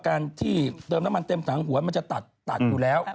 การที่เติมน้ำมันเต็มถังหัวมันจะตัดอยู่แล้ว